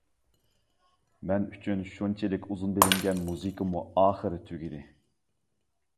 مەن ئۈچۈن شۇنچىلىك ئۇزۇن بىلىنگەن مۇزىكىمۇ ئاخىرى تۈگىدى.